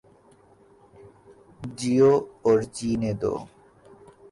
جیو اور جینے دو